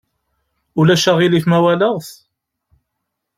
Ulac aɣilif ma walaɣ-t?